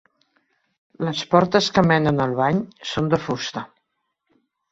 Les portes que menen al bany són de fusta.